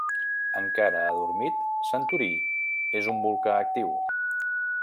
Encara adormit, Santorí és un volcà actiu.